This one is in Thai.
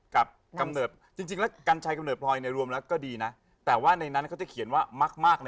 เขาบอกว่าอย่างที่แม่บอก